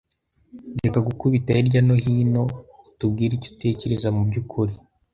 Reka gukubita hirya nohino utubwire icyo utekereza mubyukuri.